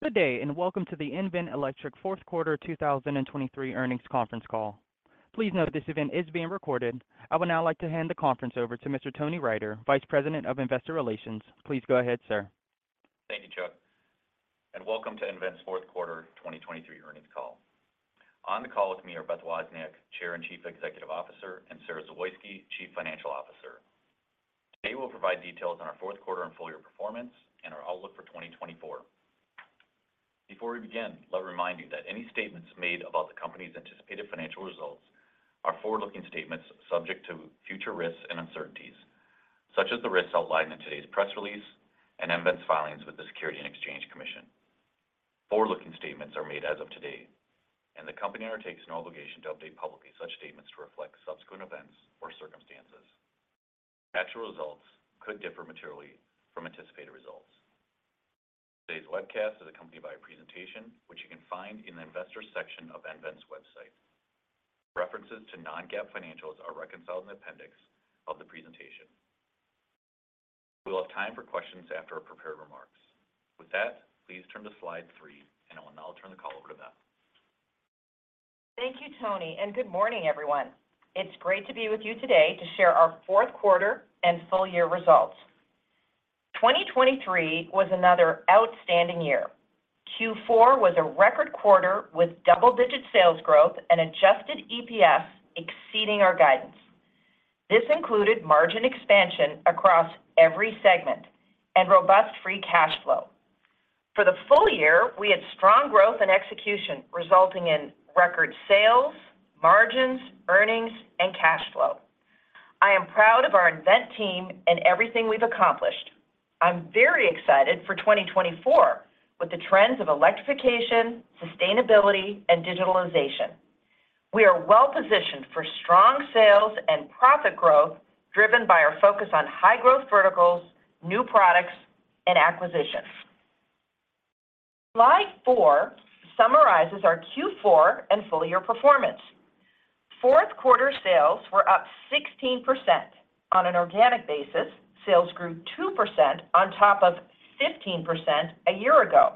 Good day, and welcome to the nVent Electric fourth quarter 2023 earnings conference call. Please note this event is being recorded. I would now like to hand the conference over to Mr. Tony Riter, Vice President, Investor Relations. Please go ahead, sir. Thank you, Chuck, and welcome to nVent's fourth quarter 2023 earnings call. On the call with me are Beth Wozniak, Chair and Chief Executive Officer, and Sara Zawoyski, Chief Financial Officer. Today, we'll provide details on our fourth quarter and full year performance and our outlook for 2024. Before we begin, let me remind you that any statements made about the company's anticipated financial results are forward-looking statements subject to future risks and uncertainties, such as the risks outlined in today's press release and nVent's filings with the Securities and Exchange Commission. Forward-looking statements are made as of today, and the company undertakes no obligation to update publicly such statements to reflect subsequent events or circumstances. Actual results could differ materially from anticipated results. Today's webcast is accompanied by a presentation, which you can find in the Investors section of nVent's website. References to non-GAAP financials are reconciled in the appendix of the presentation. We'll have time for questions after our prepared remarks. With that, please turn to slide three, and I will now turn the call over to Beth. Thank you, Tony, and good morning, everyone. It's great to be with you today to share our fourth quarter and full year results. 2023 was another outstanding year. Q4 was a record quarter with double-digit sales growth and Adjusted EPS exceeding our guidance. This included margin expansion across every segment and robust free cash flow. For the full year, we had strong growth and execution, resulting in record sales, margins, earnings, and cash flow. I am proud of our nVent team and everything we've accomplished. I'm very excited for 2024, with the trends of electrification, sustainability, and digitalization. We are well-positioned for strong sales and profit growth, driven by our focus on high-growth verticals, new products, and acquisitions. Slide four summarizes our Q4 and full year performance. Fourth quarter sales were up 16%. On an organic basis, sales grew 2% on top of 15% a year ago.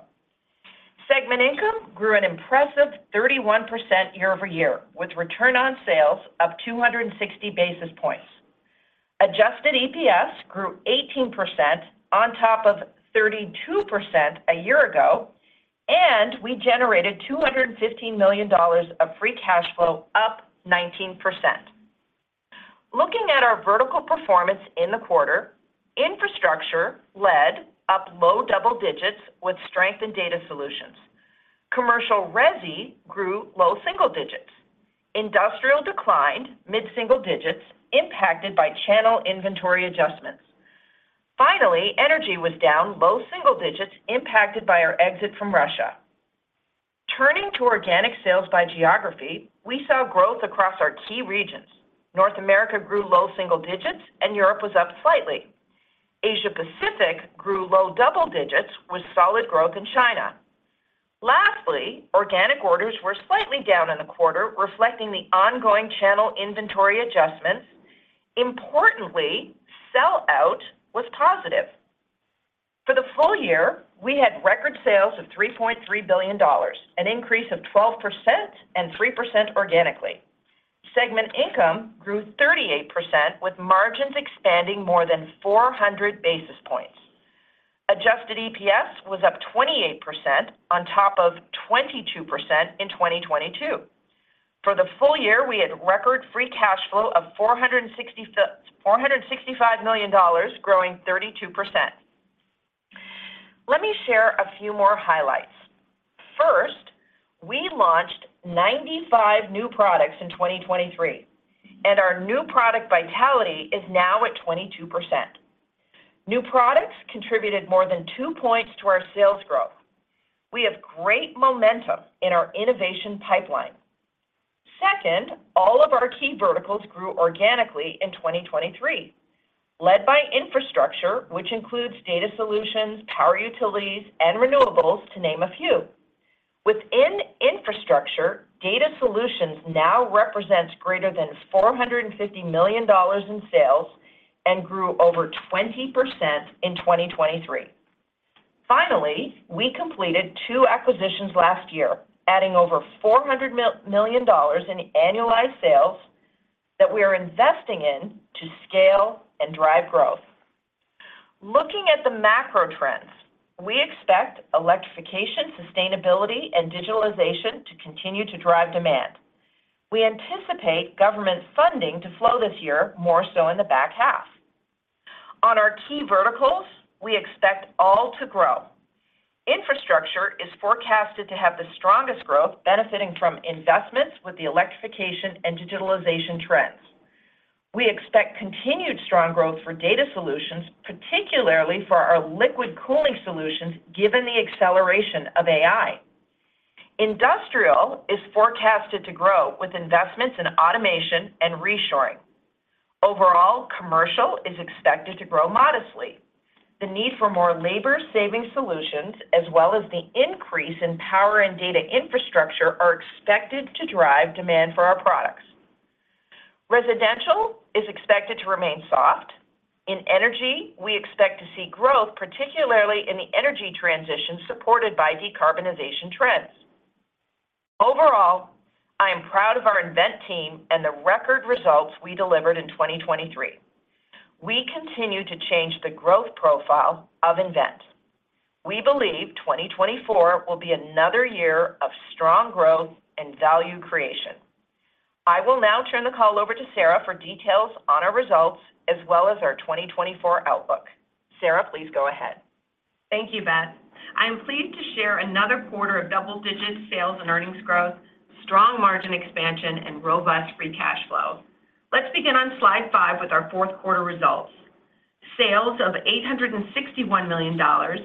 Segment income grew an impressive 31% year-over-year, with return on sales up 260 basis points. Adjusted EPS grew 18% on top of 32% a year ago, and we generated $215 million of free cash flow, up 19%. Looking at our vertical performance in the quarter, Infrastructure led up low double-digits with strength Data Solutions. Commercial/Resi grew low single-digits. Industrial declined mid-single-digits, impacted by channel inventory adjustments. Finally, Energy was down low single-digits, impacted by our exit from Russia. Turning to organic sales by geography, we saw growth across our key regions. North America grew low single-digits, and Europe was up slightly. Asia Pacific grew low double-digits, with solid growth in China. Lastly, organic orders were slightly down in the quarter, reflecting the ongoing channel inventory adjustments. Importantly, sellout was positive. For the full year, we had record sales of $3.3 billion, an increase of 12% and 3% organically. Segment income grew 38%, with margins expanding more than 400 basis points. Adjusted EPS was up 28% on top of 22% in 2022. For the full year, we had record free cash flow of $465 million, growing 32%. Let me share a few more highlights. First, we launched 95 new products in 2023, and our new product vitality is now at 22%. New products contributed more than two points to our sales growth. We have great momentum in our innovation pipeline. Second, all of our key verticals grew organically in 2023, led by Infrastructure, which includes Data Solutions, power utilities, and renewables, to name a few. Within Infrastructure, Data Solutions now represents greater than $450 million in sales and grew over 20% in 2023. Finally, we completed two acquisitions last year, adding over $400 million in annualized sales that we are investing in to scale and drive growth. Looking at the macro trends, we expect electrification, sustainability, and digitalization to continue to drive demand. We anticipate government funding to flow this year, more so in the back half. On our key verticals, we expect all to grow. Infrastructure is forecasted to have the strongest growth, benefiting from investments with the electrification and digitalization trends. We expect continued strong growth for Data Solutions, particularly for our liquid cooling solutions, given the acceleration of AI. Industrial is forecasted to grow with investments in automation and reshoring. Overall, Commercial is expected to grow modestly. The need for more labor-saving solutions, as well as the increase in power and data infrastructure, are expected to drive demand for our products. Residential is expected to remain soft. In energy, we expect to see growth, particularly in the energy transition, supported by decarbonization trends. Overall, I am proud of our nVent team and the record results we delivered in 2023. We continue to change the growth profile of nVent. We believe 2024 will be another year of strong growth and value creation. I will now turn the call over to Sara for details on our results as well as our 2024 outlook. Sara, please go ahead. Thank you, Beth. I am pleased to share another quarter of double-digit sales and earnings growth, strong margin expansion, and robust free cash flow. Let's begin on slide five with our fourth quarter results. Sales of $861 million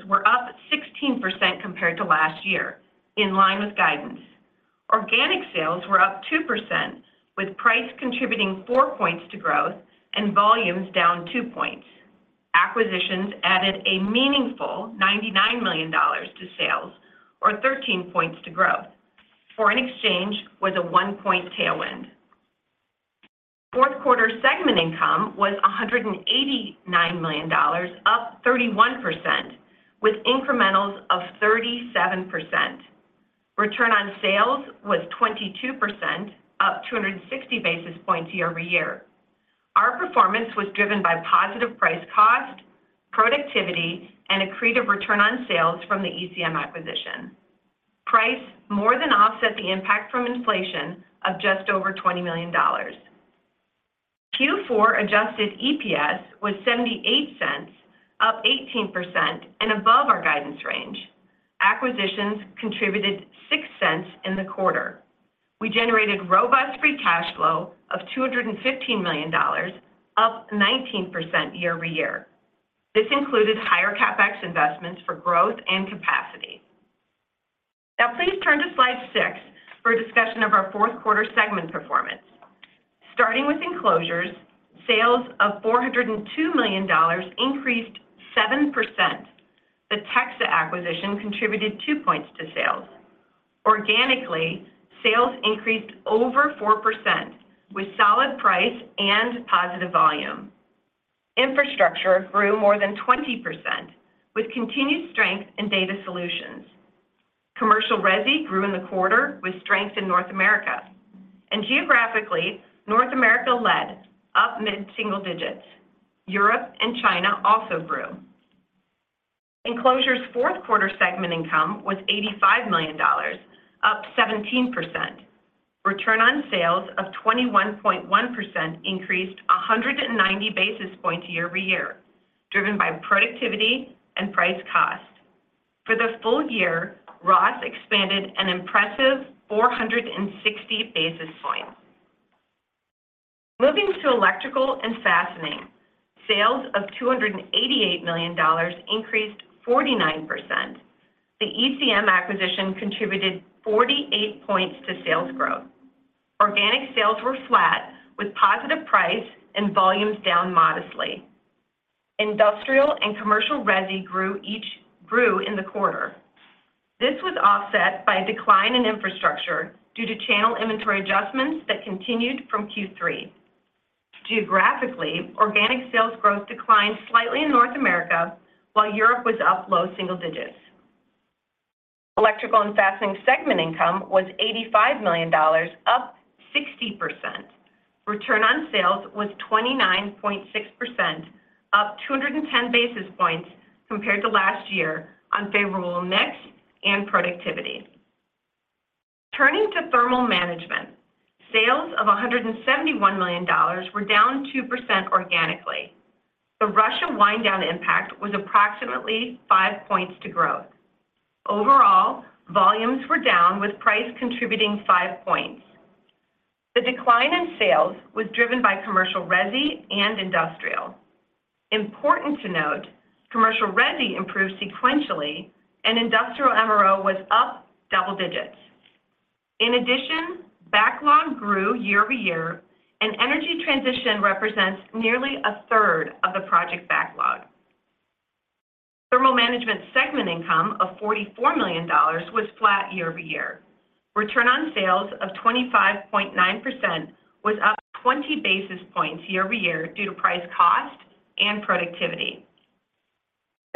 were up 16% compared to last year, in line with guidance. Organic sales were up 2%, with price contributing four points to growth and volumes down two points. Acquisitions added a meaningful $99 million to sales or 13 points to growth. Foreign exchange was a one-point tailwind. Fourth quarter segment income was $189 million, up 31%, with incrementals of 37%. Return on sales was 22%, up 260 basis points year-over-year. Our performance was driven by positive price cost, productivity, and accretive return on sales from the ECM acquisition. Price more than offset the impact from inflation of just over $20 million. Q4 Adjusted EPS was $0.78, up 18% and above our guidance range. Acquisitions contributed $0.06 in the quarter. We generated robust free cash flow of $215 million, up 19% year-over-year. This included higher CapEx investments for growth and capacity. Now, please turn to slide six for a discussion of our fourth quarter segment performance. Starting with Enclosures, sales of $402 million increased 7%. The TEXA acquisition contributed two points to sales. Organically, sales increased over 4%, with solid price and positive volume. Infrastructure grew more than 20%, with continued strength Data Solutions. Commercial/Resi grew in the quarter with strength in North America. And geographically, North America led, up mid-single-digits. Europe and China also grew. Enclosures' fourth quarter segment income was $85 million, up 17%. Return on sales of 21.1% increased 190 basis points year-over-year, driven by productivity and price cost. For the full year, ROS expanded an impressive 460 basis points. Moving to Electrical and Fastening, sales of $288 million increased 49%. The ECM acquisition contributed 48 points to sales growth. Organic sales were flat, with positive price and volumes down modestly. Industrial and Commercial/Resi grew in the quarter. This was offset by a decline in Infrastructure due to channel inventory adjustments that continued from Q3. Geographically, organic sales growth declined slightly in North America, while Europe was up low single-digits. Electrical and Fastening segment income was $85 million, up 60%. Return on sales was 29.6%, up 210 basis points compared to last year on favorable mix and productivity. Turning to Thermal Management, sales of $171 million were down 2% organically. The Russia wind down impact was approximately five points to growth. Overall, volumes were down, with price contributing five points. The decline in sales was driven by Commercial/Resi and Industrial. Important to note, Commercial/Resi improved sequentially and Industrial MRO was up double-digits. In addition, backlog grew year-over-year, and energy transition represents nearly a third of the project backlog. Thermal Management segment income of $44 million was flat year-over-year. Return on sales of 25.9% was up 20 basis points year-over-year due to price cost and productivity.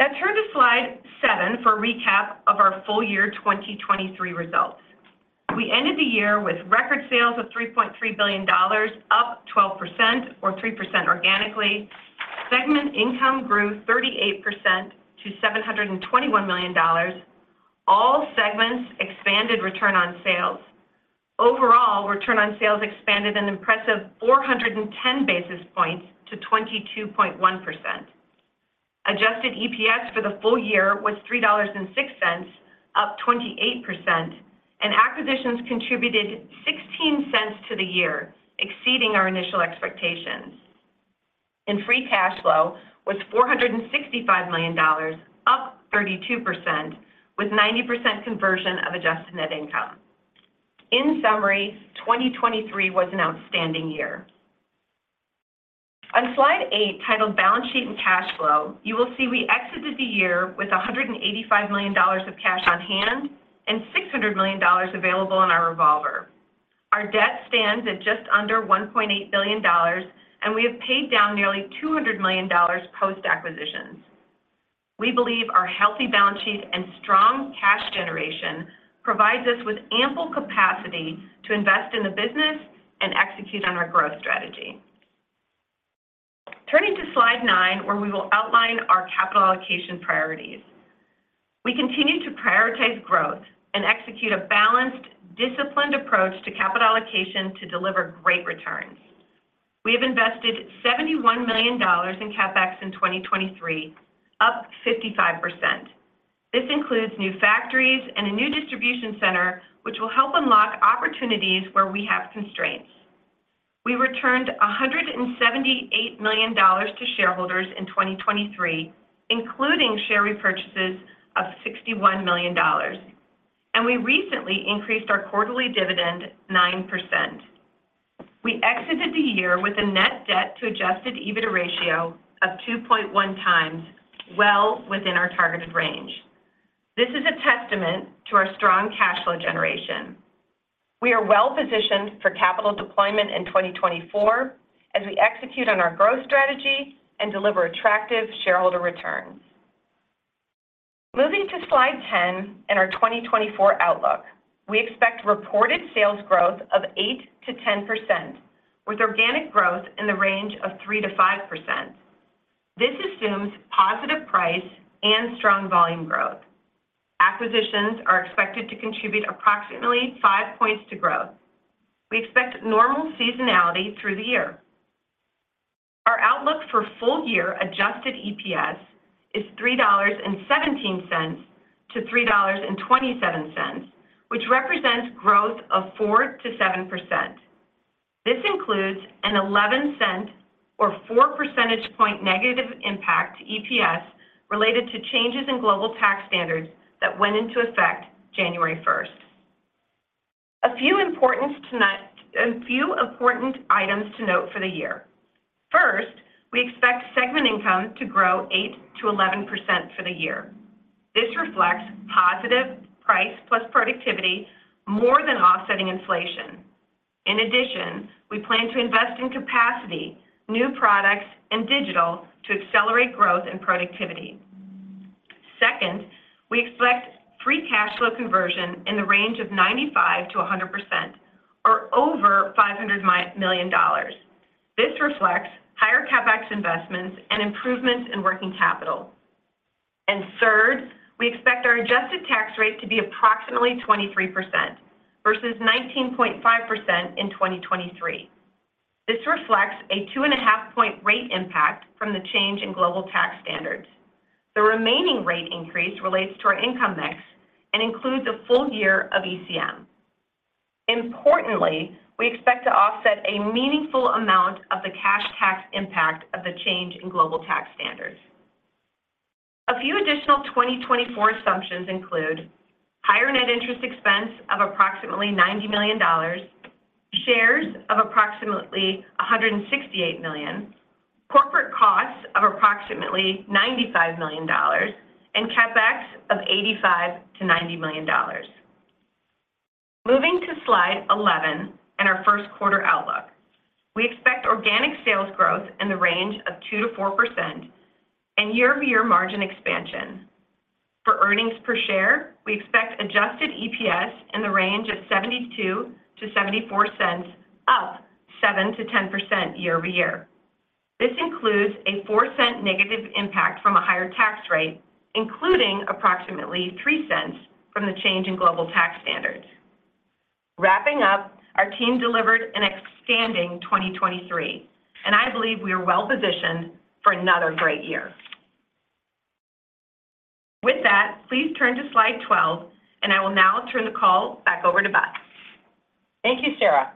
Now turn to slide seven for a recap of our full year 2023 results. We ended the year with record sales of $3.3 billion, up 12% or 3% organically. Segment income grew 38% to $721 million. All segments expanded return on sales. Overall, return on sales expanded an impressive 410 basis points to 22.1%. Adjusted EPS for the full year was $3.06, up 28%, and acquisitions contributed $0.16 to the year, exceeding our initial expectations. And free cash flow was $465 million, up 32%, with 90% conversion of adjusted net income. In summary, 2023 was an outstanding year. On slide eight, titled Balance Sheet and Cash Flow, you will see we exited the year with $185 million of cash on hand and $600 million available in our revolver. Our debt stands at just under $1.8 billion, and we have paid down nearly $200 million post-acquisitions. We believe our healthy balance sheet and strong cash generation provides us with ample capacity to invest in the business and execute on our growth strategy. Turning to slide nine, where we will outline our capital allocation priorities. We continue to prioritize growth and execute a balanced, disciplined approach to capital allocation to deliver great returns. We have invested $71 million in CapEx in 2023, up 55%. This includes new factories and a new distribution center, which will help unlock opportunities where we have constraints. We returned $178 million to shareholders in 2023, including share repurchases of $61 million, and we recently increased our quarterly dividend 9%. We exited the year with a net debt to Adjusted EBITDA ratio of 2.1x, well within our targeted range. This is a testament to our strong cash flow generation. We are well positioned for capital deployment in 2024 as we execute on our growth strategy and deliver attractive shareholder returns. Moving to slide 10 and our 2024 outlook, we expect reported sales growth of 8%-10%, with organic growth in the range of 3%-5%. This assumes positive price and strong volume growth. Acquisitions are expected to contribute approximately five points to growth. We expect normal seasonality through the year. Our outlook for full year Adjusted EPS is $3.17-$3.27, which represents growth of 4%-7%. This includes an $0.11 cent or 4 percentage point negative impact to EPS related to changes in global tax standards that went into effect January first. A few important items to note for the year. First, we expect segment income to grow 8%-11% for the year. This reflects positive price plus productivity, more than offsetting inflation. In addition, we plan to invest in capacity, new products and digital to accelerate growth and productivity. Second, we expect free cash flow conversion in the range of 95%-100% or over $500 million. This reflects higher CapEx investments and improvements in working capital. Third, we expect our adjusted tax rate to be approximately 23% versus 19.5% in 2023. This reflects a 2.5-point rate impact from the change in global tax standards. The remaining rate increase relates to our income mix and includes a full year of ECM. Importantly, we expect to offset a meaningful amount of the cash tax impact of the change in global tax standards. A few additional 2024 assumptions include: higher net interest expense of approximately $90 million, shares of approximately 168 million, corporate costs of approximately $95 million, and CapEx of $85 million-$90 million. Moving to slide 11 and our first quarter outlook. We expect organic sales growth in the range of 2%-4% and year-over-year margin expansion. For earnings per share, we expect Adjusted EPS in the range of $0.72-$0.74, up 7%-10% year-over-year. This includes a $0.04 negative impact from a higher tax rate, including approximately $0.03 from the change in global tax standards. Wrapping up, our team delivered an outstanding 2023, and I believe we are well positioned for another great year. With that, please turn to slide 12, and I will now turn the call back over to Beth. Thank you, Sara.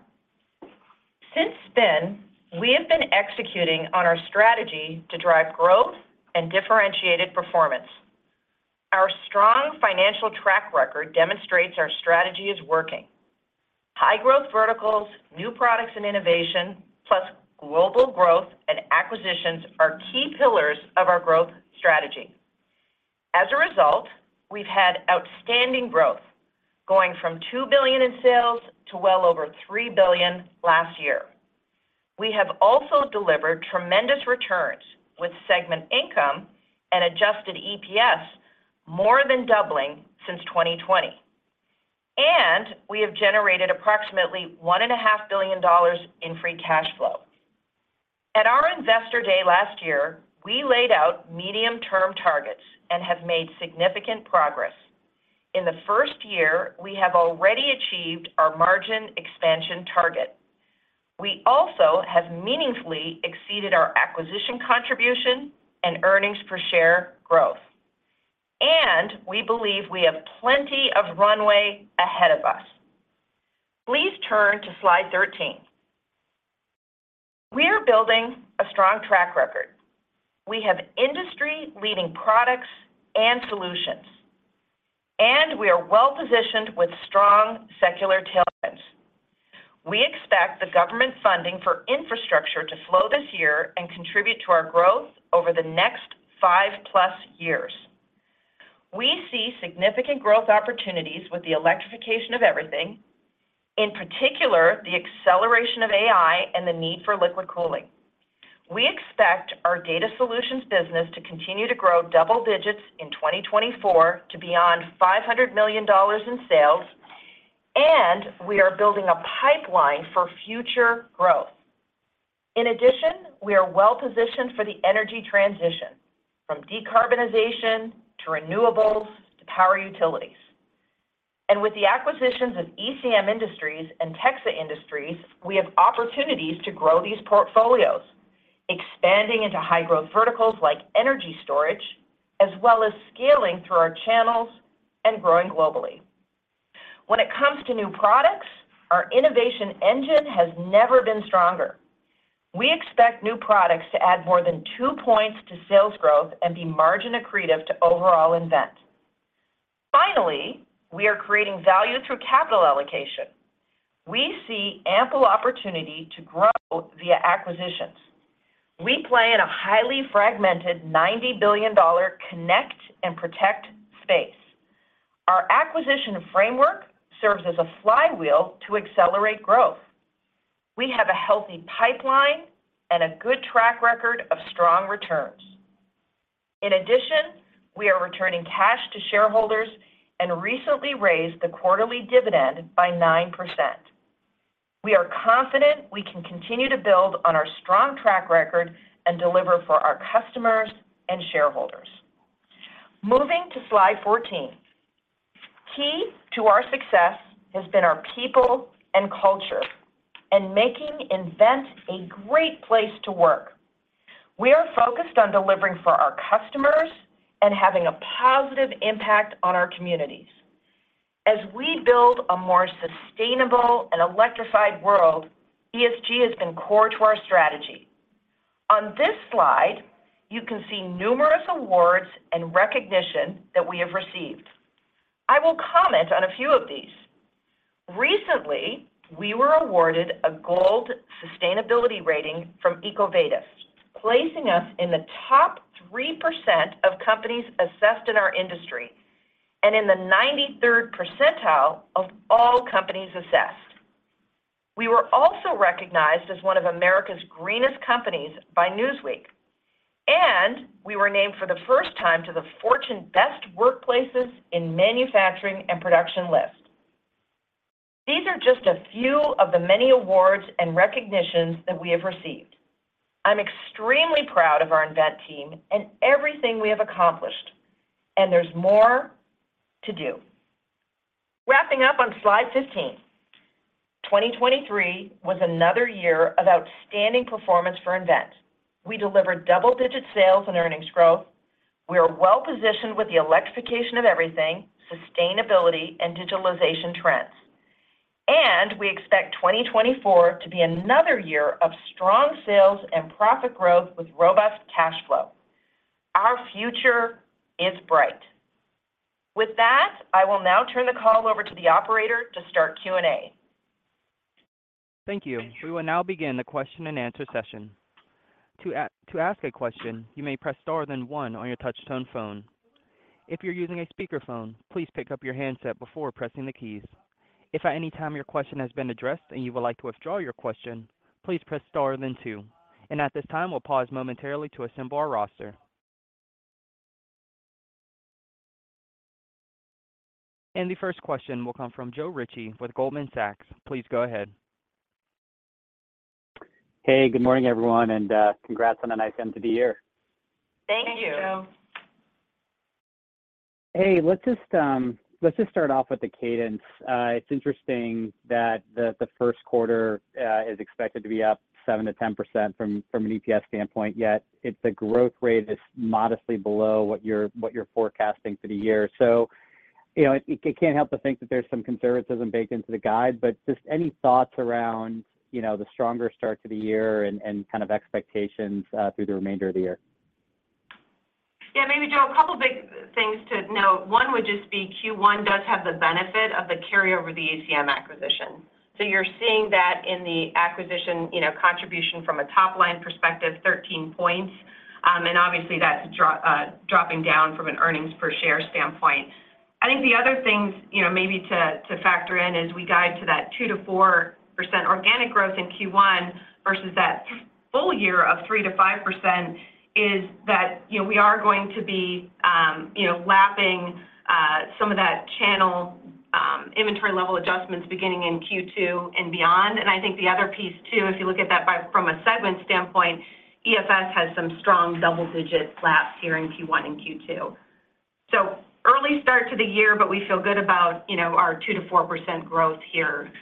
Since then, we have been executing on our strategy to drive growth and differentiated performance. Our strong financial track record demonstrates our strategy is working. High growth verticals, new products and innovation, plus global growth and acquisitions are key pillars of our growth strategy. As a result, we've had outstanding growth, going from $2 billion in sales to well over $3 billion last year. We have also delivered tremendous returns with segment income and Adjusted EPS more than doubling since 2020, and we have generated approximately $1.5 billion in free cash flow. At our Investor Day last year, we laid out medium-term targets and have made significant progress. In the first year, we have already achieved our margin expansion target. We also have meaningfully exceeded our acquisition contribution and earnings per share growth, and we believe we have plenty of runway ahead of us. Please turn to slide 13. We are building a strong track record. We have industry-leading products and solutions. We are well-positioned with strong secular tailwinds. We expect the government funding for Infrastructure to slow this year and contribute to our growth over the next 5+ years. We see significant growth opportunities with the electrification of everything, in particular, the acceleration of AI and the need for liquid cooling. We expect our Data Solutions business to continue to grow double-digits in 2024 to beyond $500 million in sales, and we are building a pipeline for future growth. In addition, we are well-positioned for the energy transition, from decarbonization to renewables to power utilities. With the acquisitions of ECM Industries and TEXA Industries, we have opportunities to grow these portfolios, expanding into high-growth verticals like energy storage, as well as scaling through our channels and growing globally. When it comes to new products, our innovation engine has never been stronger. We expect new products to add more than two points to sales growth and be margin accretive to overall nVent. Finally, we are creating value through capital allocation. We see ample opportunity to grow via acquisitions. We play in a highly fragmented $90 billion connect and protect space. Our acquisition framework serves as a flywheel to accelerate growth. We have a healthy pipeline and a good track record of strong returns. In addition, we are returning cash to shareholders and recently raised the quarterly dividend by 9%. We are confident we can continue to build on our strong track record and deliver for our customers and shareholders. Moving to slide 14. Key to our success has been our people and culture, and making nVent a great place to work. We are focused on delivering for our customers and having a positive impact on our communities. As we build a more sustainable and electrified world, ESG has been core to our strategy. On this slide, you can see numerous awards and recognition that we have received. I will comment on a few of these. Recently, we were awarded a Gold Sustainability rating from EcoVadis, placing us in the top 3% of companies assessed in our industry and in the 93rd percentile of all companies assessed. We were also recognized as one of America's Greenest Companies by Newsweek, and we were named for the first time to the Fortune Best Workplaces in Manufacturing and Production list. These are just a few of the many awards and recognitions that we have received. I'm extremely proud of our nVent team and everything we have accomplished, and there's more to do. Wrapping up on slide 15. 2023 was another year of outstanding performance for nVent. We delivered double-digit sales and earnings growth. We are well positioned with the electrification of everything, sustainability, and digitalization trends, and we expect 2024 to be another year of strong sales and profit growth with robust cash flow. Our future is bright. With that, I will now turn the call over to the operator to start Q&A. Thank you. We will now begin the question-and-answer session. To ask a question, you may press star, then one on your touch tone phone. If you're using a speakerphone, please pick up your handset before pressing the keys. If at any time your question has been addressed and you would like to withdraw your question, please press star, then two. At this time, we'll pause momentarily to assemble our roster. And the first question will come from Joe Ritchie with Goldman Sachs. Please go ahead. Hey, good morning, everyone, and congrats on a nice end to the year. Thank you, Joe. Thank you. Hey, let's just start off with the cadence. It's interesting that the first quarter is expected to be up 7%-10% from an EPS standpoint, yet the growth rate is modestly below what you're forecasting for the year. So, you know, I can't help but think that there's some conservatism baked into the guide, but just any thoughts around, you know, the stronger start to the year and kind of expectations through the remainder of the year? Yeah, maybe, Joe, a couple of big things to note. One would just be Q1 does have the benefit of the carryover, the ECM acquisition. So you're seeing that in the acquisition, you know, contribution from a top-line perspective, 13 points, and obviously, that's dropping down from an earnings per share standpoint. I think the other things, you know, maybe to, to factor in as we guide to that 2%-4% organic growth in Q1 versus that full year of 3%-5%, is that, you know, we are going to be, you know, lapping, some of that channel, inventory level adjustments beginning in Q2 and beyond. And I think the other piece, too, if you look at that by from a segment standpoint, EFS has some strong double-digit laps here in Q1 and Q2. Early start to the year, but we feel good about, you know, our 2%-4% growth here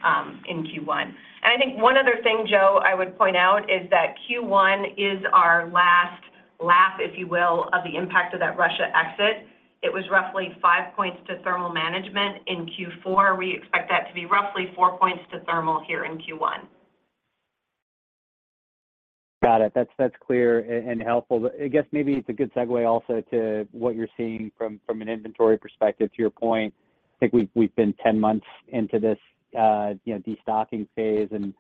in Q1. I think one other thing, Joe, I would point out is that Q1 is our last lap, if you will, of the impact of that Russia exit. It was roughly five points to Thermal Management in Q4. We expect that to be roughly four points to Thermal Management here in Q1.... Got it. That's, that's clear and helpful. But I guess maybe it's a good segue also to what you're seeing from, from an inventory perspective. To your point, I think we've, we've been 10 months into this, you know, destocking phase, and,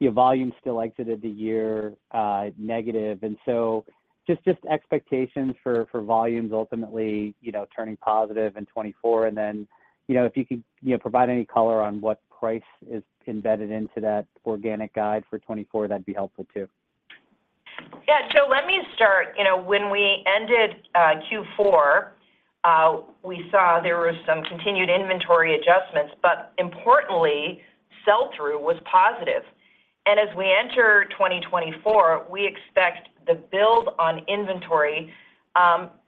you know, volume still exited the year negative. And so just, just expectations for, for volumes ultimately, you know, turning positive in 2024, and then, you know, if you could, you know, provide any color on what price is embedded into that organic guide for 2024, that'd be helpful too. Yeah. So let me start. You know, when we ended Q4, we saw there were some continued inventory adjustments, but importantly, sell-through was positive. And as we enter 2024, we expect the build on inventory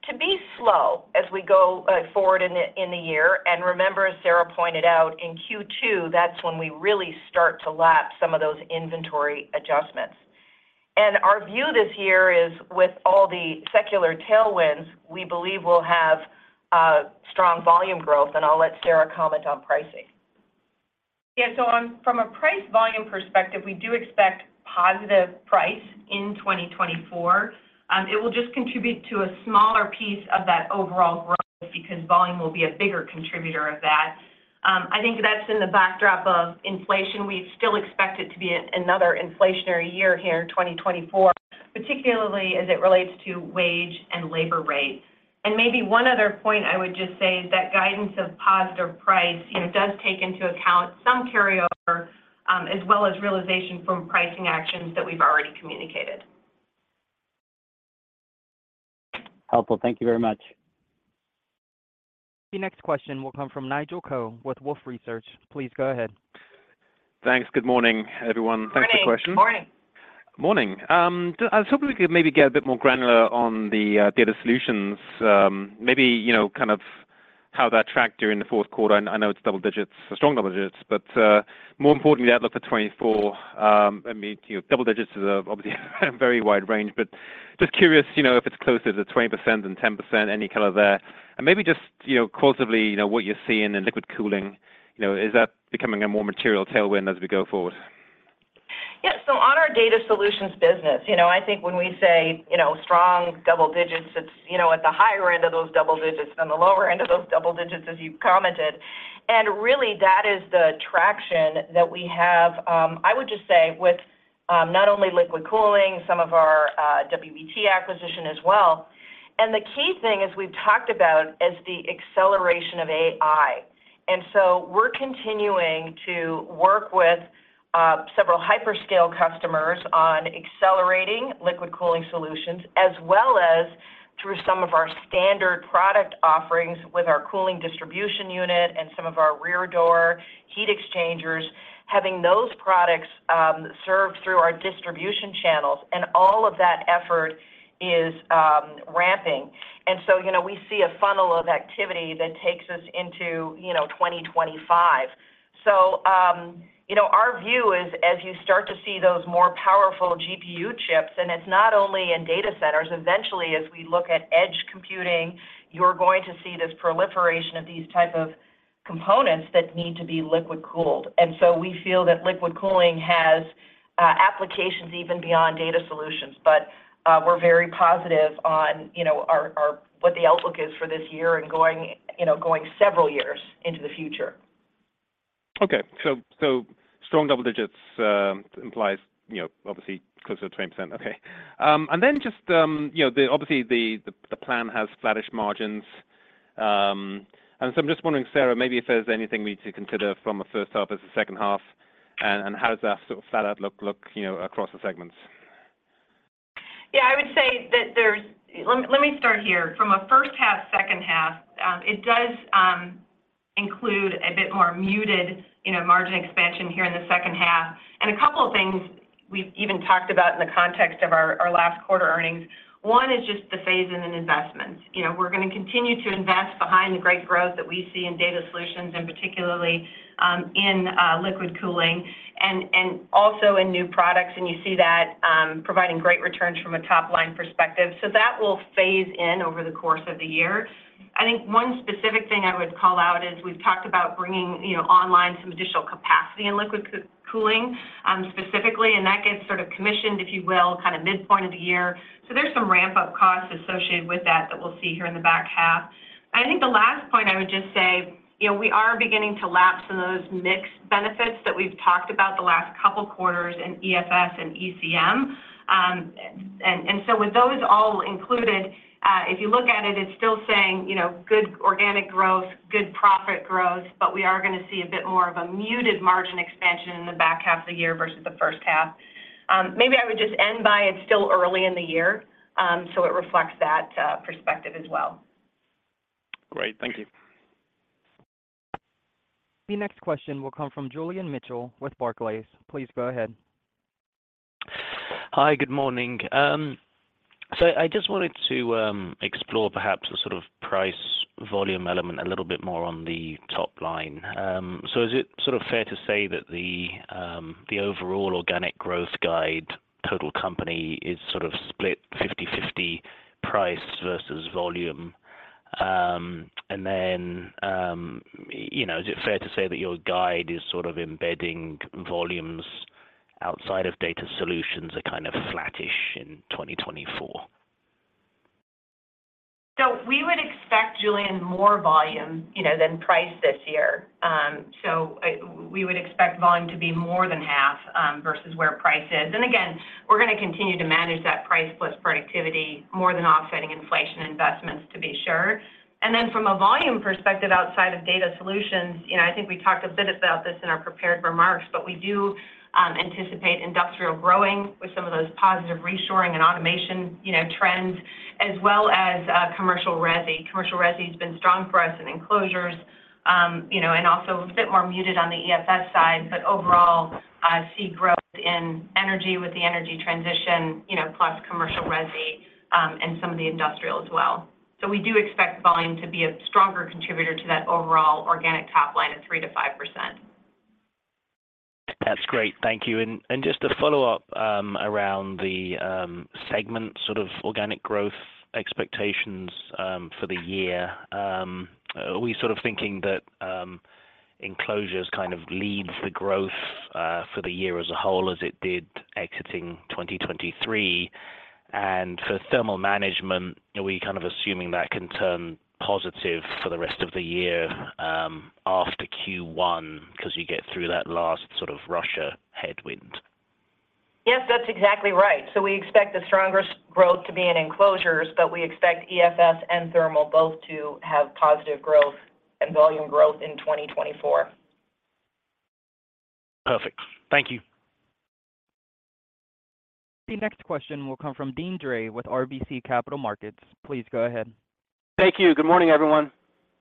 to be slow as we go forward in the year. And remember, as Sara pointed out, in Q2, that's when we really start to lap some of those inventory adjustments. And our view this year is with all the secular tailwinds, we believe we'll have strong volume growth, and I'll let Sara comment on pricing. Yeah. So on from a price volume perspective, we do expect positive price in 2024. It will just contribute to a smaller piece of that overall growth because volume will be a bigger contributor of that. I think that's in the backdrop of inflation. We still expect it to be another inflationary year here in 2024, particularly as it relates to wage and labor rates. And maybe one other point I would just say is that guidance of positive price, you know, does take into account some carryover, as well as realization from pricing actions that we've already communicated. Helpful. Thank you very much. The next question will come from Nigel Coe with Wolfe Research. Please go ahead. Thanks. Good morning, everyone. Morning. Thanks for the question. Morning. Morning. Just, I was hoping we could maybe get a bit more granular on the Data Solutions, maybe, you know, kind of how that tracked during the fourth quarter. I know it's double-digits, strong double-digits, but more importantly, the outlook for 2024. I mean, you know, double-digits is obviously a very wide range, but just curious, you know, if it's closer to 20% than 10%, any color there. And maybe just, you know, qualitatively, you know, what you're seeing in liquid cooling, you know, is that becoming a more material tailwind as we go forward? Yeah. So on Data Solutions business, you know, I think when we say, you know, strong double-digits, it's, you know, at the higher end of those double-digits than the lower end of those double-digits, as you commented. And really, that is the traction that we have. I would just say with not only liquid cooling, some of our WBT acquisition as well. And the key thing is we've talked about is the acceleration of AI. And so we're continuing to work with several hyperscale customers on accelerating liquid cooling solutions, as well as through some of our standard product offerings with our cooling distribution unit and some of our rear door heat exchangers, having those products served through our distribution channels, and all of that effort is ramping. So, you know, we see a funnel of activity that takes us into, you know, 2025. So, you know, our view is, as you start to see those more powerful GPU chips, and it's not only in data centers, eventually, as we look at edge computing, you're going to see this proliferation of these type of components that need to be liquid cooled. And so we feel that liquid cooling has applications even beyond Data Solutions, but, we're very positive on, you know, our, our, what the outlook is for this year and going, you know, going several years into the future. Okay. So strong double-digits implies, you know, obviously, closer to 20%. Okay. And then just, you know, obviously the plan has flattish margins. And so I'm just wondering, Sara, maybe if there's anything we need to consider from a first half as a second half, and how does that sort of flat out look, you know, across the segments? Yeah, I would say that there's. Let me, let me start here. From a first half, second half, it does include a bit more muted, you know, margin expansion here in the second half. And a couple of things we've even talked about in the context of our, our last quarter earnings. One is just the phase in an investment. You know, we're gonna continue to invest behind the great growth that we see Data Solutions, and particularly in liquid cooling and also in new products. And you see that providing great returns from a top-line perspective. So that will phase in over the course of the year. I think one specific thing I would call out is we've talked about bringing, you know, online some additional capacity in liquid cooling, specifically, and that gets sort of commissioned, if you will, kind of midpoint of the year. So there's some ramp-up costs associated with that that we'll see here in the back half. I think the last point I would just say, you know, we are beginning to lap some of those mixed benefits that we've talked about the last couple quarters in EFS and ECM. And so with those all included, if you look at it, it's still saying, you know, good organic growth, good profit growth, but we are gonna see a bit more of a muted margin expansion in the back half of the year versus the first half. Maybe I would just end by. It's still early in the year, so it reflects that perspective as well. Great. Thank you. The next question will come from Julian Mitchell with Barclays. Please go ahead. Hi, good morning. I just wanted to explore perhaps the sort of price volume element a little bit more on the top line. Is it sort of fair to say that the overall organic growth guide total company is sort of split 50/50 price versus volume?... and then, you know, is it fair to say that your guide is sort of embedding volumes outside Data Solutions are kind of flattish in 2024? So we would expect, Julian, more volume, you know, than price this year. So, we would expect volume to be more than half, versus where price is. And again, we're going to continue to manage that price plus productivity more than offsetting inflation investments, to be sure. And then from a volume perspective outside Data Solutions, you know, I think we talked a bit about this in our prepared remarks, but we do anticipate Industrial growing with some of those positive reshoring and automation, you know, trends, as well as Commercial/Resi. Commercial/Resi has been strong for us in Enclosures, you know, and also a bit more muted on the EFS side, but overall, I see growth in energy with the energy transition, you know, plus Commercial/Resi, and some of the Industrial as well. We do expect volume to be a stronger contributor to that overall organic top line of 3%-5%. That's great. Thank you. And just a follow-up around the segment sort of organic growth expectations for the year. Are we sort of thinking that Enclosures kind of leads the growth for the year as a whole, as it did exiting 2023? And for Thermal Management, are we kind of assuming that can turn positive for the rest of the year after Q1, because you get through that last sort of Russia headwind? Yes, that's exactly right. So we expect the strongest growth to be in Enclosures, but we expect EFS and Thermal both to have positive growth and volume growth in 2024. Perfect. Thank you. The next question will come from Deane Dray with RBC Capital Markets. Please go ahead. Thank you. Good morning, everyone.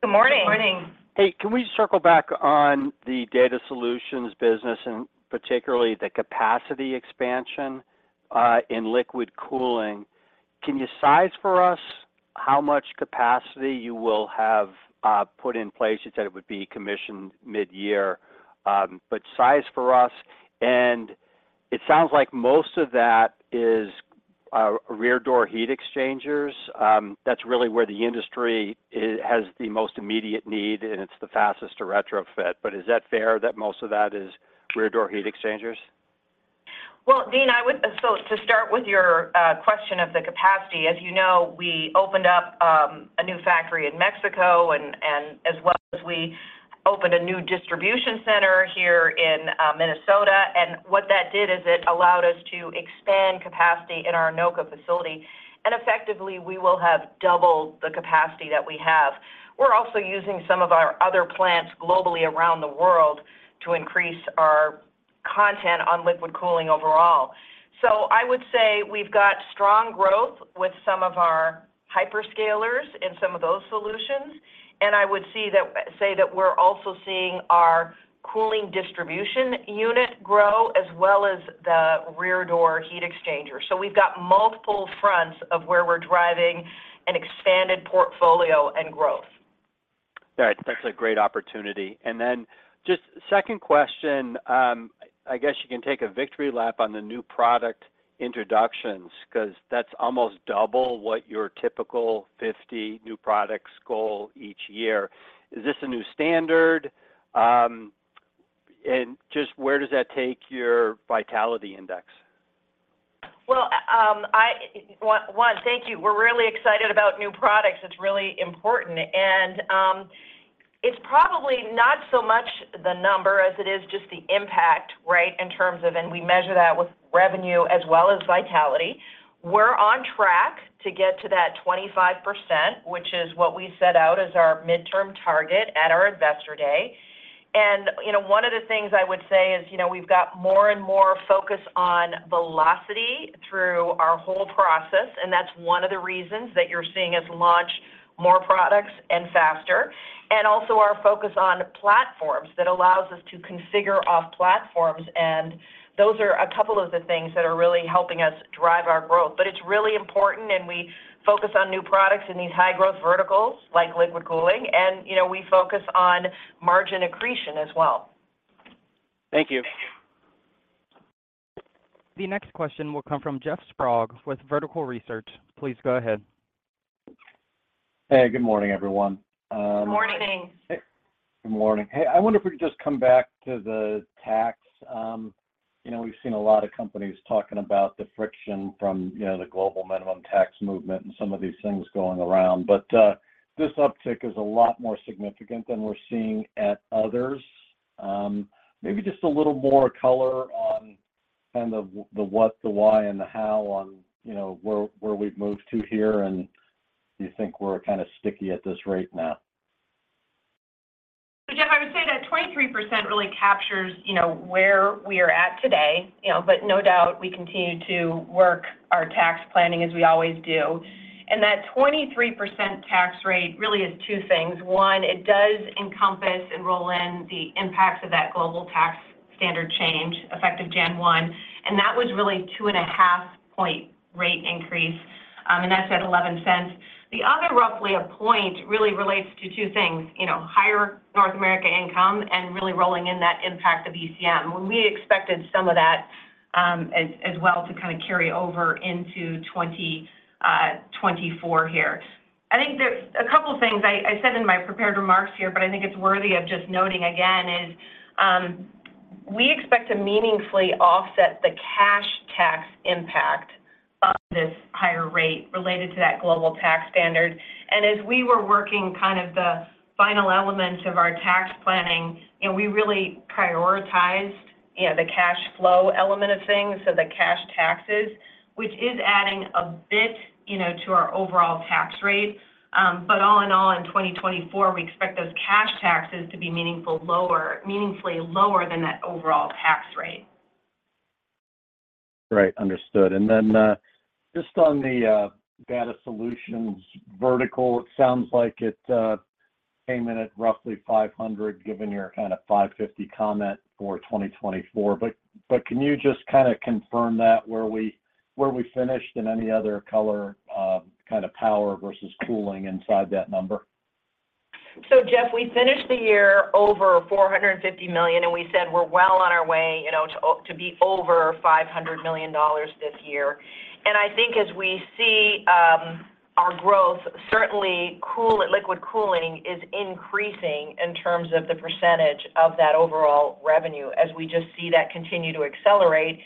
Good morning. Good morning. Hey, can we circle back on the Data Solutions business, and particularly the capacity expansion, in liquid cooling? Can you size for us how much capacity you will have, put in place? You said it would be commissioned midyear, but size for us. And it sounds like most of that is, rear door heat exchangers. That's really where the industry has the most immediate need, and it's the fastest to retrofit. But is that fair that most of that is rear door heat exchangers? Well, Deane, I would so to start with your question of the capacity, as you know, we opened up a new factory in Mexico and as well as we opened a new distribution center here in Minnesota, and what that did is it allowed us to expand capacity in our Anoka facility, and effectively, we will have doubled the capacity that we have. We're also using some of our other plants globally around the world to increase our content on liquid cooling overall. So I would say we've got strong growth with some of our hyperscalers in some of those solutions, and I would say that we're also seeing our cooling distribution unit grow, as well as the rear door heat exchanger. So we've got multiple fronts of where we're driving an expanded portfolio and growth. Right. That's a great opportunity. And then just second question, I guess you can take a victory lap on the new product introductions, because that's almost double what your typical 50 new products goal each year. Is this a new standard? And just where does that take your vitality index? Well, thank you. We're really excited about new products. It's really important, and, it's probably not so much the number as it is just the impact, right? In terms of... And we measure that with revenue as well as vitality. We're on track to get to that 25%, which is what we set out as our midterm target at our Investor Day. And, you know, one of the things I would say is, you know, we've got more and more focus on velocity through our whole process, and that's one of the reasons that you're seeing us launch more products and faster, and also our focus on platforms that allows us to configure off platforms, and those are a couple of the things that are really helping us drive our growth. But it's really important, and we focus on new products in these high growth verticals, like liquid cooling, and, you know, we focus on margin accretion as well. Thank you. Thank you. The next question will come from Jeff Sprague with Vertical Research Partners. Please go ahead. Hey, good morning, everyone. Good morning. Good morning. Good morning. Hey, I wonder if we could just come back to the tax. You know, we've seen a lot of companies talking about the friction from, you know, the global minimum tax movement and some of these things going around, but this uptick is a lot more significant than we're seeing at others. Maybe just a little more color on kind of the, the what, the why, and the how on, you know, where, where we've moved to here, and do you think we're kind of sticky at this rate now? So, Jeff, I would say that 23% really captures, you know, where we are at today, you know, but no doubt, we continue to work our tax planning as we always do. And that 23% tax rate really is two things. One, it does encompass and roll in the impacts of that global tax standard change, effective January 1, and that was really 2.5-point rate increase, and that's at $0.11. The other, roughly a point, really relates to two things, you know, higher North America income and really rolling in that impact of ECM. When we expected some of that, as well to kind of carry over into 2024 here. I think there's a couple things I said in my prepared remarks here, but I think it's worthy of just noting again: we expect to meaningfully offset the cash tax impact of this higher rate related to that global tax standard. And as we were working kind of the final elements of our tax planning, and we really prioritized, you know, the cash flow element of things, so the cash taxes, which is adding a bit, you know, to our overall tax rate. But all in all, in 2024, we expect those cash taxes to be meaningfully lower than that overall tax rate. Right. Understood. And then, just on the Data Solutions vertical, it sounds like it came in at roughly $500 million, given your kind of $550 million comment for 2024. But can you just kind of confirm that where we finished in any other color, kind of power versus cooling inside that number? So Jeff, we finished the year over $450 million, and we said we're well on our way, you know, to be over $500 million this year. And I think as we see our growth, certainly in liquid cooling is increasing in terms of the percentage of that overall revenue as we just see that continue to accelerate.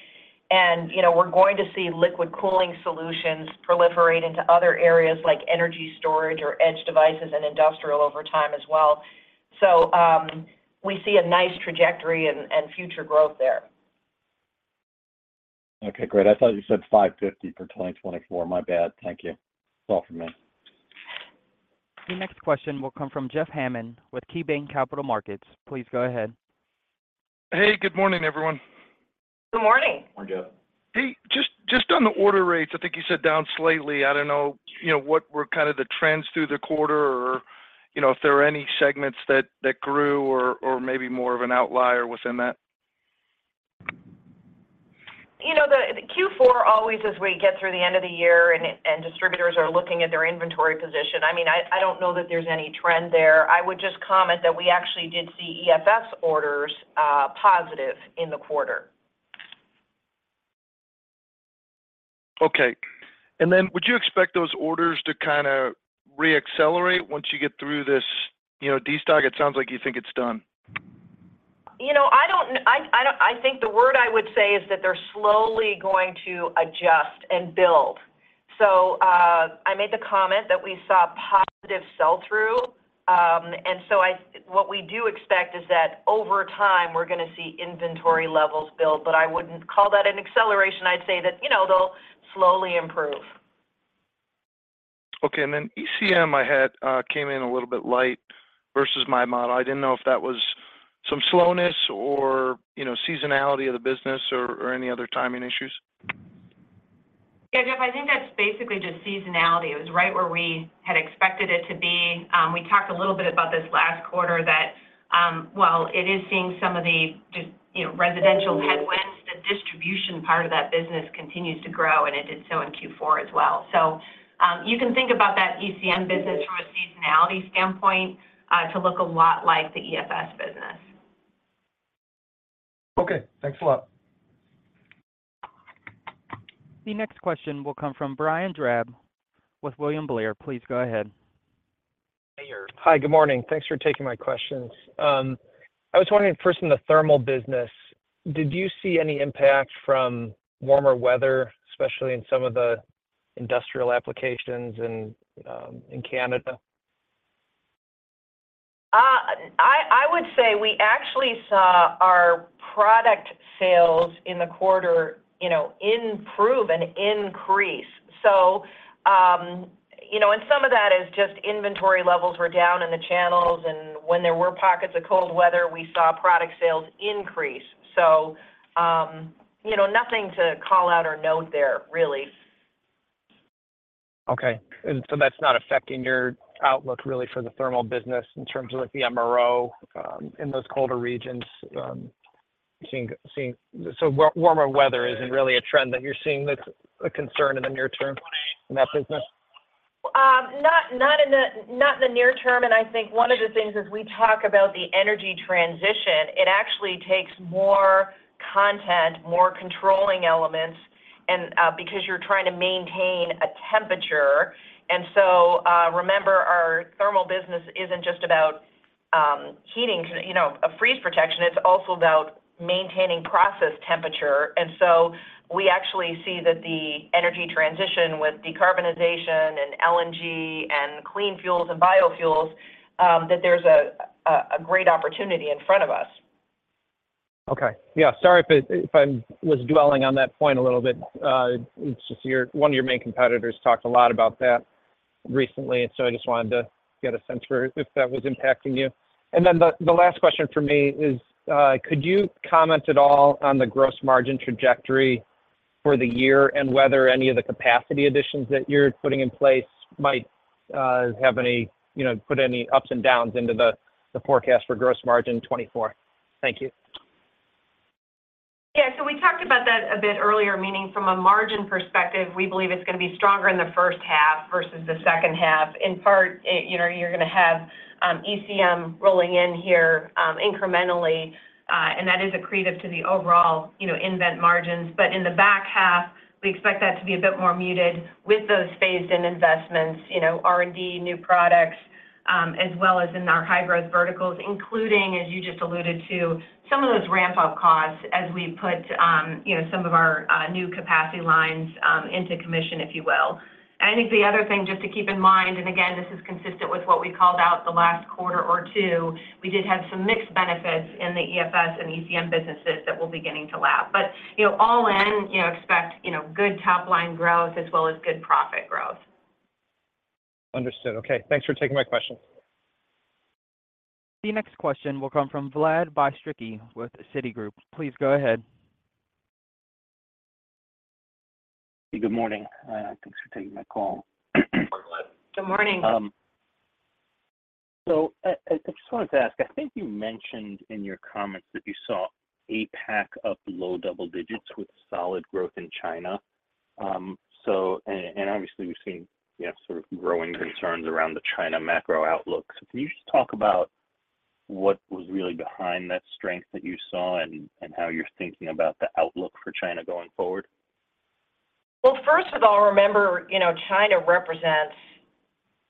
And, you know, we're going to see liquid cooling solutions proliferate into other areas like energy storage or edge devices and Industrial over time as well. So, we see a nice trajectory and future growth there. Okay, great. I thought you said $5.50 for 2024. My bad. Thank you. That's all for me. The next question will come from Jeff Hammond with KeyBanc Capital Markets. Please go ahead. Hey, good morning, everyone. Good morning. Morning, Jeff. Hey, just on the order rates, I think you said down slightly. I don't know, you know, what were kind of the trends through the quarter or, you know, if there were any segments that grew or maybe more of an outlier within that? You know, the Q4 always, as we get through the end of the year and distributors are looking at their inventory position. I mean, I don't know that there's any trend there. I would just comment that we actually did see EFS orders positive in the quarter. Okay. And then would you expect those orders to kind of re-accelerate once you get through this, you know, destock? It sounds like you think it's done. You know, I think the word I would say is that they're slowly going to adjust and build. So, I made the comment that we saw positive sell-through, and so I, what we do expect is that over time, we're going to see inventory levels build, but I wouldn't call that an acceleration. I'd say that, you know, they'll slowly improve. Okay. And then ECM, I had came in a little bit light versus my model. I didn't know if that was some slowness or, you know, seasonality of the business or any other timing issues. Yeah, Jeff, I think that's basically just seasonality. It was right where we had expected it to be. We talked a little bit about this last quarter that, while it is seeing some of the just, you know, residential headwinds, the distribution part of that business continues to grow, and it did so in Q4 as well. So, you can think about that ECM business from a seasonality standpoint, to look a lot like the EFS business. Okay, thanks a lot. The next question will come from Brian Drab with William Blair. Please go ahead. Hey. Hi, good morning. Thanks for taking my questions. I was wondering first in the Thermal business, did you see any impact from warmer weather, especially in some of the Industrial applications in Canada? I would say we actually saw our product sales in the quarter, you know, improve and increase. So, you know, and some of that is just inventory levels were down in the channels, and when there were pockets of cold weather, we saw product sales increase. So, you know, nothing to call out or note there, really. Okay. And so that's not affecting your outlook really for the Thermal business in terms of like the MRO in those colder regions? So warmer weather isn't really a trend that you're seeing that's a concern in the near term in that business? Not in the near term. And I think one of the things as we talk about the energy transition, it actually takes more content, more controlling elements and because you're trying to maintain a temperature. And so remember, our Thermal business isn't just about heating, you know, a freeze protection, it's also about maintaining process temperature. And so we actually see that the energy transition with decarbonization and LNG and clean fuels and biofuels, that there's a great opportunity in front of us. Okay. Yeah, sorry if I was dwelling on that point a little bit. It's just one of your main competitors talked a lot about that recently, so I just wanted to get a sense for if that was impacting you. And then the last question for me is, could you comment at all on the gross margin trajectory for the year and whether any of the capacity additions that you're putting in place might have any, you know, put any ups and downs into the forecast for gross margin 2024? Thank you. ... Yeah, so we talked about that a bit earlier, meaning from a margin perspective, we believe it's gonna be stronger in the first half versus the second half. In part, you know, you're gonna have, ECM rolling in here, incrementally, and that is accretive to the overall, you know, nVent margins. But in the back half, we expect that to be a bit more muted with those phased-in investments, you know, R&D, new products, as well as in our high-growth verticals, including, as you just alluded to, some of those ramp-up costs as we put, you know, some of our, new capacity lines, into commission, if you will. I think the other thing, just to keep in mind, and again, this is consistent with what we called out the last quarter or two, we did have some mixed benefits in the EFS and ECM businesses that we'll be getting to lap. But, you know, all in, you know, expect, you know, good top line growth as well as good profit growth. Understood. Okay. Thanks for taking my question. The next question will come from Vlad Bystricky with Citigroup. Please go ahead. Good morning, thanks for taking my call. Good morning. So I just wanted to ask, I think you mentioned in your comments that you saw APAC up low double-digits with solid growth in China. And obviously, we've seen you have sort of growing concerns around the China macro outlook. So can you just talk about what was really behind that strength that you saw and how you're thinking about the outlook for China going forward? Well, first of all, remember, you know, China represents,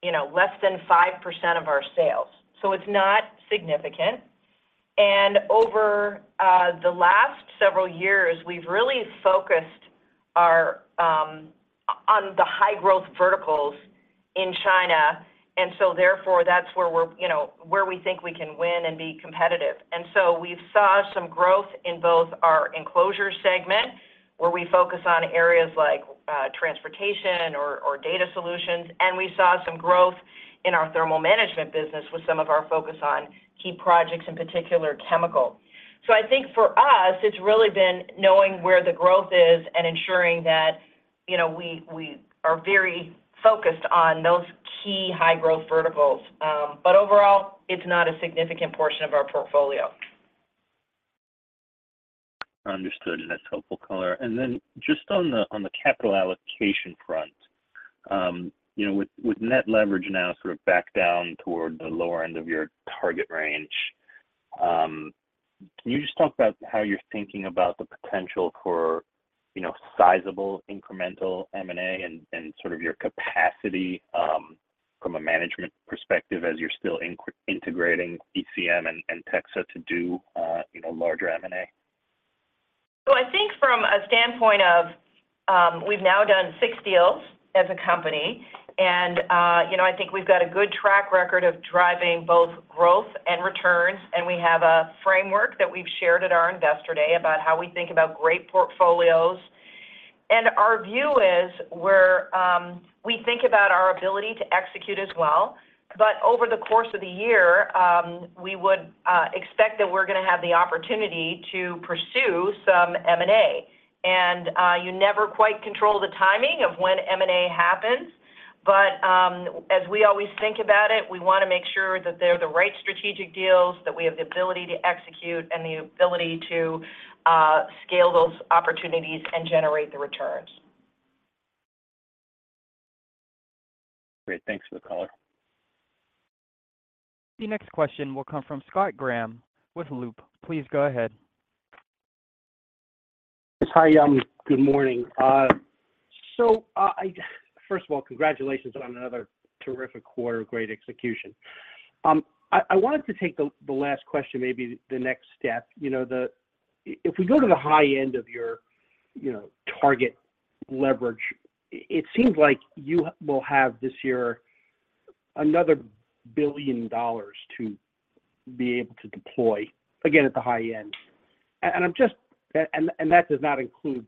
you know, less than 5% of our sales, so it's not significant. And over the last several years, we've really focused our on the high growth verticals in China, and so therefore, that's where we're, you know, where we think we can win and be competitive. And so we saw some growth in both our Enclosures segment, where we focus on areas like transportation or Data Solutions, and we saw some growth in our Thermal Management business with some of our focus on key projects, in particular, chemical. So I think for us, it's really been knowing where the growth is and ensuring that, you know, we are very focused on those key high-growth verticals. But overall, it's not a significant portion of our portfolio. Understood, and that's helpful color. And then just on the capital allocation front, you know, with net leverage now sort of back down toward the lower end of your target range, can you just talk about how you're thinking about the potential for, you know, sizable incremental M&A and sort of your capacity, from a management perspective as you're still integrating ECM and TEXA to do, you know, larger M&A? So I think from a standpoint of, we've now done 6 deals as a company, and, you know, I think we've got a good track record of driving both growth and returns, and we have a framework that we've shared at our Investor Day about how we think about great portfolios. And our view is, we're, we think about our ability to execute as well. But over the course of the year, we would expect that we're gonna have the opportunity to pursue some M&A. And, you never quite control the timing of when M&A happens, but, as we always think about it, we wanna make sure that they're the right strategic deals, that we have the ability to execute and the ability to, scale those opportunities and generate the returns. Great. Thanks for the color. The next question will come from Scott Graham with Loop. Please go ahead. Hi, good morning. So first of all, congratulations on another terrific quarter, great execution. I wanted to take the last question, maybe the next step. You know, if we go to the high end of your target leverage, it seems like you will have this year another $1 billion to be able to deploy, again, at the high end. And that does not include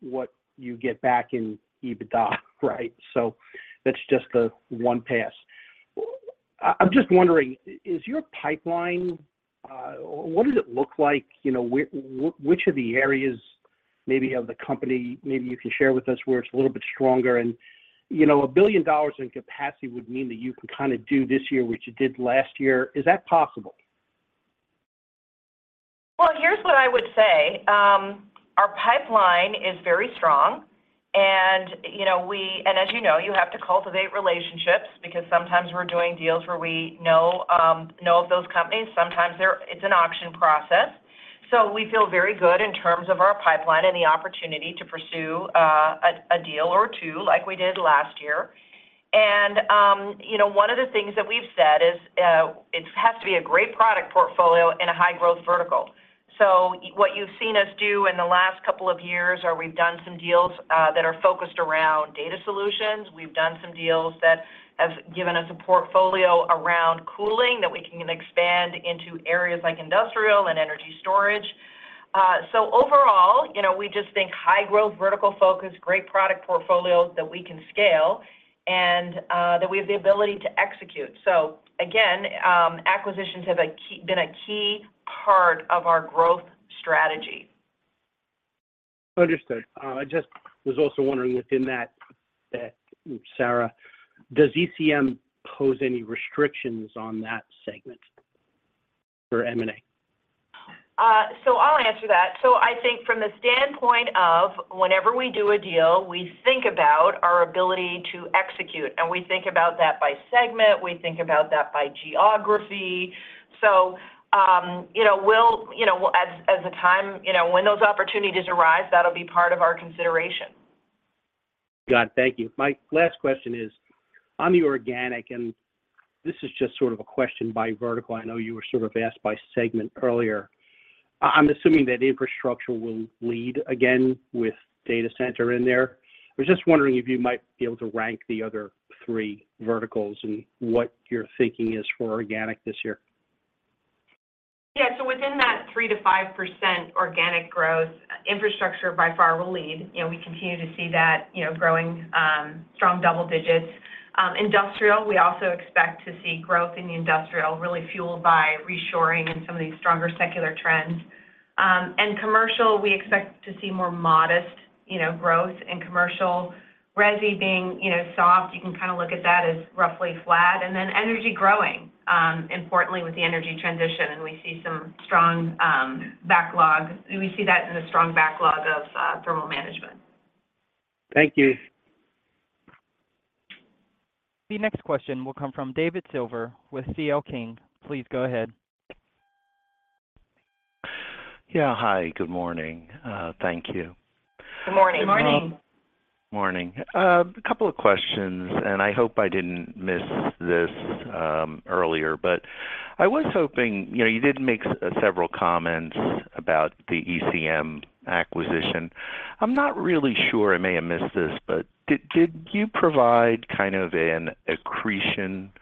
what you get back in EBITDA, right? So that's just the one pass. I just wondering, is your pipeline what does it look like? You know, which of the areas maybe of the company, maybe you can share with us, where it's a little bit stronger? You know, $1 billion in capacity would mean that you can kinda do this year what you did last year. Is that possible? Well, here's what I would say. Our pipeline is very strong, and, you know, as you know, you have to cultivate relationships because sometimes we're doing deals where we know of those companies, sometimes it's an auction process. So we feel very good in terms of our pipeline and the opportunity to pursue a deal or two like we did last year. And, you know, one of the things that we've said is it has to be a great product portfolio in a high growth vertical. So what you've seen us do in the last couple of years are we've done some deals that are focused Data Solutions. We've done some deals that have given us a portfolio around cooling that we can expand into areas like Industrial and energy storage. So overall, you know, we just think high growth, vertical focus, great product portfolios that we can scale and that we have the ability to execute. So again, acquisitions have been a key part of our growth strategy.... Understood. I just was also wondering within that, Sara, does ECM pose any restrictions on that segment for M&A? So I'll answer that. So I think from the standpoint of whenever we do a deal, we think about our ability to execute, and we think about that by segment, we think about that by geography. So, you know, we'll, you know, as the time, you know, when those opportunities arise, that'll be part of our consideration. Got it. Thank you. My last question is, on the organic, and this is just sort of a question by vertical, I know you were sort of asked by segment earlier. I'm assuming that Infrastructure will lead again with data center in there. I was just wondering if you might be able to rank the other three verticals and what your thinking is for organic this year. Yeah, so within that 3%-5% organic growth, Infrastructure by far will lead. You know, we continue to see that, you know, growing strong double-digits. Industrial, we also expect to see growth in the Industrial, really fueled by reshoring and some of these stronger secular trends. And Commercial, we expect to see more modest, you know, growth in Commercial/Resi being, you know, soft, you can kind of look at that as roughly flat, and then energy growing, importantly with the energy transition, and we see some strong backlog. We see that in the strong backlog of Thermal Management. Thank you. The next question will come from David Silver with C.L. King. Please go ahead. Yeah, hi, good morning. Thank you. Good morning. Good morning. Morning. A couple of questions, and I hope I didn't miss this earlier, but I was hoping, you know, you did make several comments about the ECM acquisition. I'm not really sure, I may have missed this, but did you provide kind of an accretion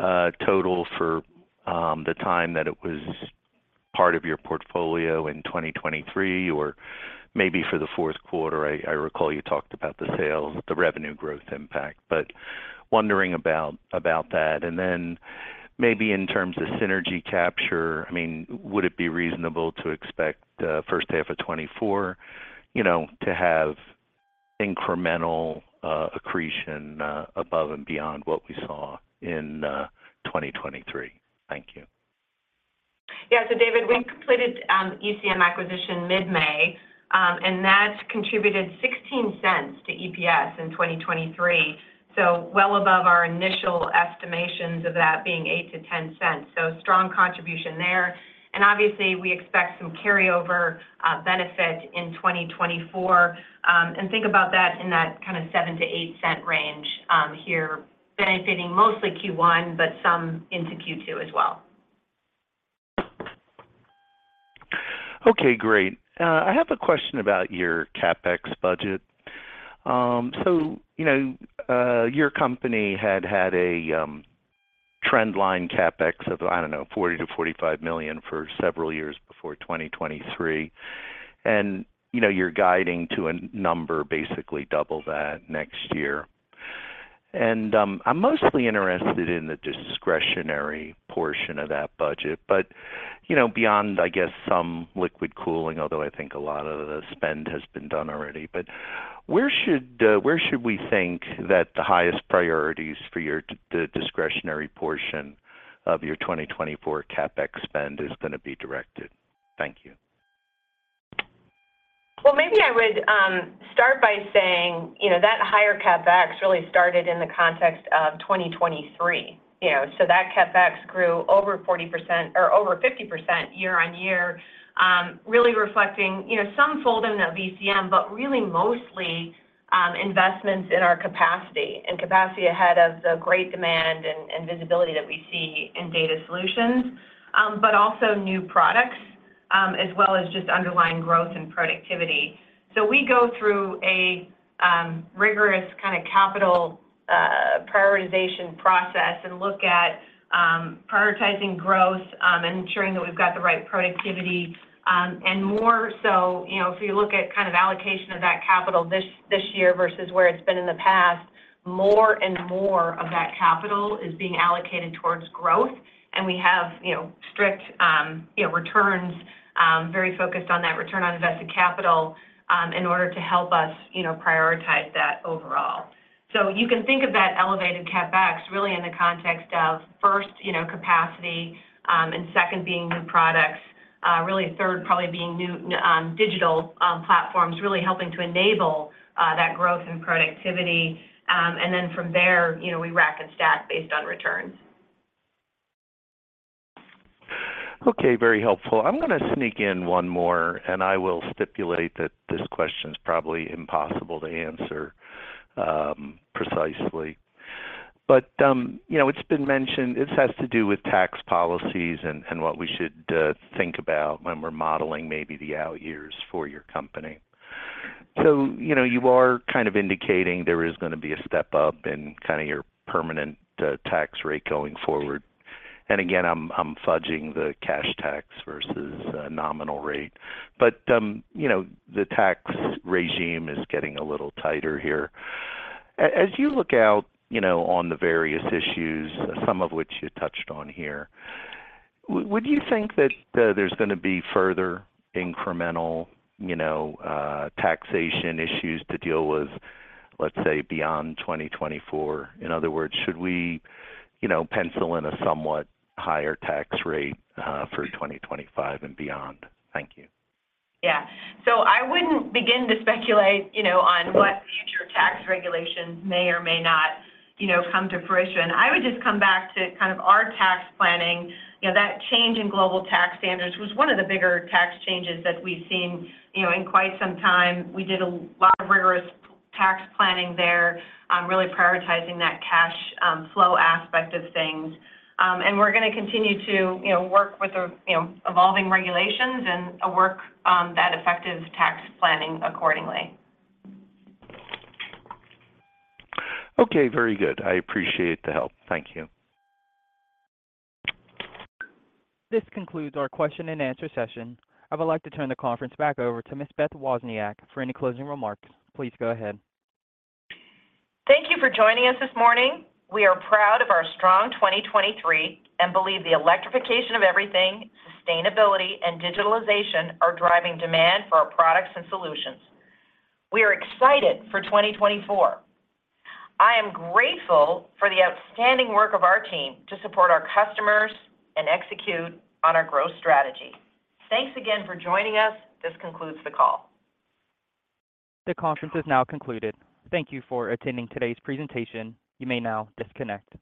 total for the time that it was part of your portfolio in 2023, or maybe for the fourth quarter? I recall you talked about the sales, the revenue growth impact, but wondering about that. And then maybe in terms of synergy capture, I mean, would it be reasonable to expect first half of 2024, you know, to have incremental accretion above and beyond what we saw in 2023? Thank you. Yeah, so David, we completed ECM acquisition mid-May, and that contributed $0.16 to EPS in 2023, so well above our initial estimations of that being $0.08-$0.10. So strong contribution there, and obviously, we expect some carryover benefit in 2024. And think about that in that kind of $0.07-$0.08 range, here, benefiting mostly Q1, but some into Q2 as well. Okay, great. I have a question about your CapEx budget. So you know, your company had had a trend line CapEx of, I don't know, $40 million-$45 million for several years before 2023, and, you know, you're guiding to a number basically double that next year. And, I'm mostly interested in the discretionary portion of that budget, but, you know, beyond, I guess, some liquid cooling, although I think a lot of the spend has been done already. But where should we think that the highest priorities for the discretionary portion of your 2024 CapEx spend is going to be directed? Thank you. Well, maybe I would start by saying, you know, that higher CapEx really started in the context of 2023. You know, so that CapEx grew over 40% or over 50% year-on-year, really reflecting, you know, some fold in of ECM, but really mostly investments in our capacity, and capacity ahead of the great demand and visibility that we see in Data Solutions, but also new products, as well as just underlying growth and productivity. So we go through a rigorous kind of capital prioritization process and look at prioritizing growth, ensuring that we've got the right productivity. And more so, you know, if you look at kind of allocation of that capital this year versus where it's been in the past, more and more of that capital is being allocated towards growth, and we have, you know, strict, you know, returns, very focused on that return on invested capital, in order to help us, you know, prioritize that overall. So you can think of that elevated CapEx really in the context of first, you know, capacity, and second being new products, really third probably being new digital platforms, really helping to enable that growth and productivity. And then from there, you know, we rack and stack based on returns. Okay, very helpful. I'm going to sneak in one more, and I will stipulate that this question is probably impossible to answer precisely. But you know, it's been mentioned, this has to do with tax policies and what we should think about when we're modeling maybe the out years for your company. So, you know, you are kind of indicating there is going to be a step up in kind of your permanent tax rate going forward. And again, I'm fudging the cash tax versus nominal rate. But you know, the tax regime is getting a little tighter here. As you look out, you know, on the various issues, some of which you touched on here, would you think that there's going to be further incremental taxation issues to deal with, let's say, beyond 2024? In other words, should we, you know, pencil in a somewhat higher tax rate, for 2025 and beyond? Thank you. Yeah. So I wouldn't begin to speculate, you know, on what future tax regulations may or may not, you know, come to fruition. I would just come back to kind of our tax planning. You know, that change in global tax standards was one of the bigger tax changes that we've seen, you know, in quite some time. We did a lot of rigorous tax planning there on really prioritizing that cash flow aspect of things. And we're going to continue to, you know, work with the, you know, evolving regulations and work on that effective tax planning accordingly. Okay, very good. I appreciate the help. Thank you. This concludes our question and answer session. I would like to turn the conference back over to Ms. Beth Wozniak for any closing remarks. Please go ahead. Thank you for joining us this morning. We are proud of our strong 2023 and believe the electrification of everything, sustainability, and digitalization are driving demand for our products and solutions. We are excited for 2024. I am grateful for the outstanding work of our team to support our customers and execute on our growth strategy. Thanks again for joining us. This concludes the call. The conference is now concluded. Thank you for attending today's presentation. You may now disconnect.